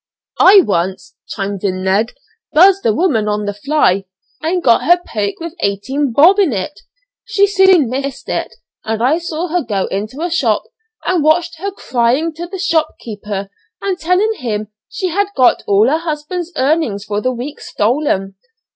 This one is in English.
"I once," chimed in Ned, "buzzed a woman on the 'fly,' and got her poke with eighteen bob in it; she soon missed it, and I saw her go into a shop, and watched her crying to the shopkeeper and telling him that she had got all her husband's earnings for the week stolen.